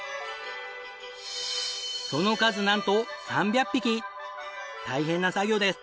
その数なんと大変な作業です。